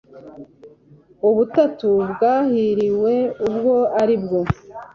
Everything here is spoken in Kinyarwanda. ubutatu bwahiriweubwo aribwo